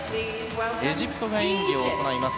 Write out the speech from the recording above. エジプトが演技を行います。